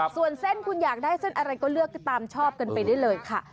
ส่วนเส้นคุณอยากได้เส้นอะไรก็เลือกตามชอบกันไปได้เลยค่ะ